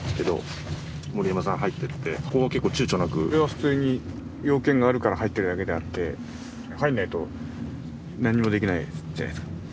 普通に用件があるから入ってるだけであって入んないと何にもできないじゃないですか。